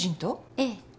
ええ。